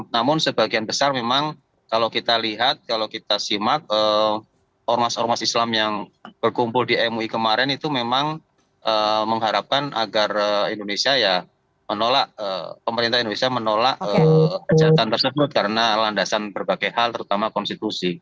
namun sebagian besar memang kalau kita lihat kalau kita simak ormas ormas islam yang berkumpul di mui kemarin itu memang mengharapkan agar indonesia ya menolak pemerintah indonesia menolak ajakan tersebut karena landasan berbagai hal terutama konstitusi